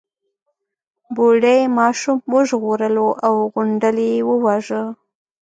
بوډۍ ماشوم وژغورلو او غونډل يې وواژه.